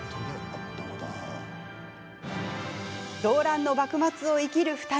動乱の幕末を生きる２人。